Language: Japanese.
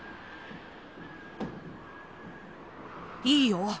いいよ